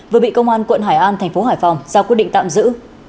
vừa bị công an quận hải an thành phố hải phòng giao quyết định tạm giữ